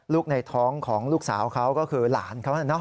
ในท้องของลูกสาวเขาก็คือหลานเขา